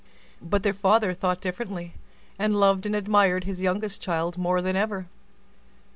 But their father thought differently; and loved and admired his youngest child more than ever.